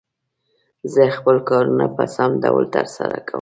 زه خپل کارونه په سم ډول تر سره کووم.